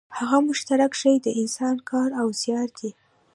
هغه مشترک شی د انسان کار او زیار دی